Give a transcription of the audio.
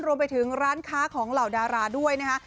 รวมไปถึงร้านค้าของเหล่าดาราด้วยนะคะ